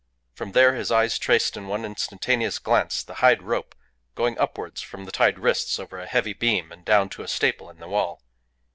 From there his eyes traced in one instantaneous glance the hide rope going upwards from the tied wrists over a heavy beam and down to a staple in the wall.